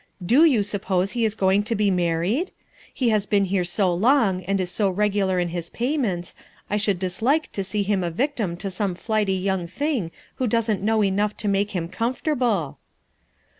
Do you suppose he is going to be mar ried ? He has been here so long and is so regular in his payments, I should dislike to see him a victim to some flighty young thing who doesn't know enough to make him comfortable."